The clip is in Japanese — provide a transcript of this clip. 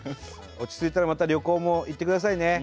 落ち着いたらまた旅行も行ってくださいね。